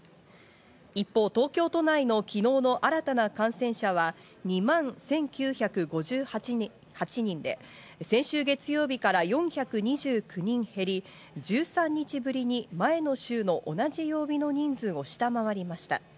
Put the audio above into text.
一方、東京都内の昨日の新たな感染者は２万１９５８人で、先週月曜日から４２９人減り、１３日ぶりに前の週の同じ曜日の人数を下回りました。